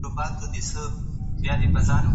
څنګه کولای سو توليد زيات کړو؟